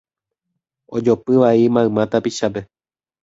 Ojopy vai mayma tapichápe